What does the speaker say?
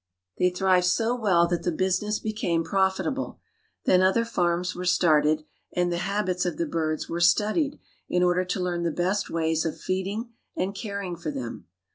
They thrived so well that the business became profit able. Then other farms were started, and the habits of the birds were studied in order to learn the best ways of feeding and caring for them.